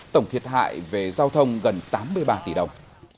tổng thiệt hại về giao thông gần tám mươi ba tỷ đồng